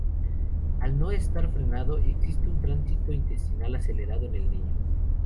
Al no estar frenado, existe un tránsito intestinal acelerado en el niño.